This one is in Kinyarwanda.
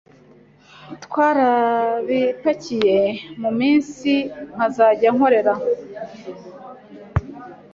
twarabipakiye ku munsi nkazajya nkorera